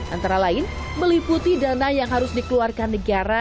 antara lain meliputi dana yang harus dikeluarkan negara